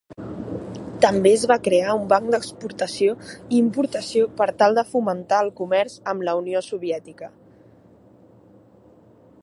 També es va crear un banc d'exportació i importació per tal de fomentar el comerç amb la Unió Soviètica.